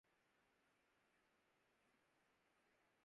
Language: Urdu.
برہم ہے بزمِ غنچہ بہ یک جنبشِ نشاط